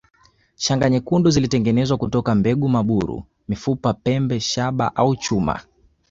Shanga nyekundu zilitengenezwa kutoka mbegu maburu mifupa pembe shaba au chuma